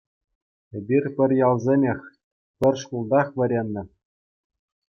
Эпир пӗр ялсемех, пӗр шкултах вӗреннӗ.